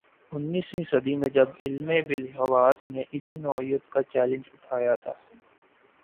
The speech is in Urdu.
انیسویں صدی میں جب علم بالحواس نے اسی نوعیت کا چیلنج اٹھایا تھا۔